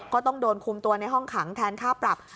ก็ต้องโดนคุมตัวในห้องขังแทนค่าปรับ